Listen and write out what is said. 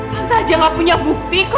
tante aja gak punya bukti kok